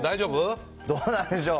どうなんでしょう。